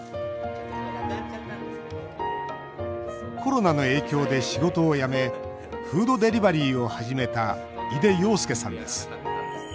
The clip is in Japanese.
コロナの影響で仕事を辞めフードデリバリーを始めた井手庸介さんです。